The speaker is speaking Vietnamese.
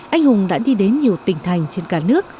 anh hùng đã đi đến nhiều tỉnh thành trên cả nước